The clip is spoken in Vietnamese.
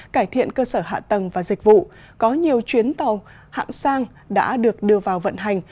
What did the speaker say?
cải thiện cơ sở hạ tầng và dịch vụ có nhiều chuyến tàu hạng sang đã được đưa vào vận hành